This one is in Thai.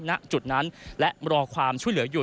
ณจุดนั้นและรอความช่วยเหลืออยู่